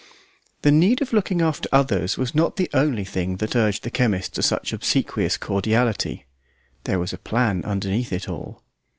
The need of looking after others was not the only thing that urged the chemist to such obsequious cordiality; there was a plan underneath it all.